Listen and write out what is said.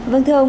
vâng thưa ông